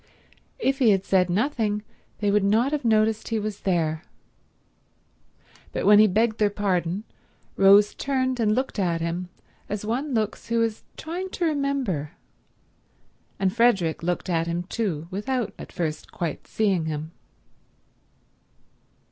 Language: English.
If he had said nothing they would not have noticed he was there, but when he begged their pardon Rose turned and looked at him as one looks who is trying to remember, and Frederick looked at him too without at first quite seeing him.